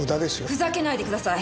ふざけないでください。